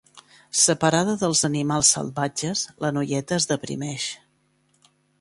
Separada dels animals salvatges, la noieta es deprimeix.